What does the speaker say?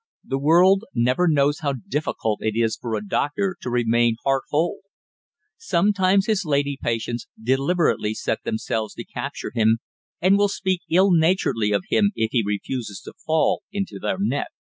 The world never knows how difficult it is for a doctor to remain heart whole. Sometimes his lady patients deliberately set themselves to capture him, and will speak ill naturedly of him if he refuses to fall into their net.